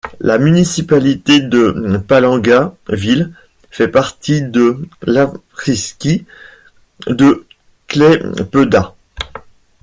La municipalité de Palanga-ville fait partie de l'apskritis de Klaipėda.